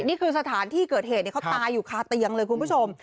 นี่คือสถานที่เกิดเหตุเขาตายอยู่คาเตียงเลยคุณผู้ชม